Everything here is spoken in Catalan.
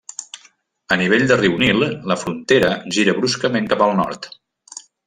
Al nivell de riu Nil, la frontera gira bruscament cap al nord.